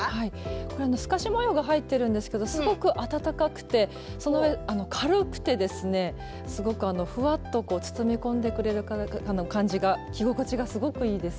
これ透かし模様が入ってるんですけどすごく暖かくてその上軽くてですねすごくふわっと包み込んでくれる感じが着心地がすごくいいです。